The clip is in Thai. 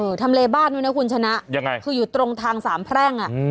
เออทำเลบ้านดีกว่าน่ะคุณฉนะยังไงคืออยู่ตรงทางสามแพร่งอะ